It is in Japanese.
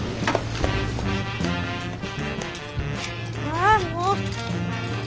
ああもう。